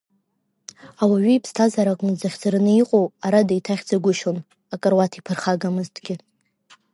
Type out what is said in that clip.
Ауаҩы иԥсҭазаараҟны дзыхьӡараны иҟоу ара деиҭахьӡагәышьон акаруаҭ иԥырхагамызҭгьы.